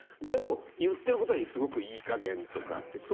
でも言ってることはすごくいいかげんとかって。